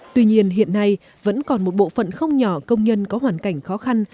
tuy nhiên hiện nay vẫn còn một bộ phận không nhỏ công nhân có hoàn cảnh khó khăn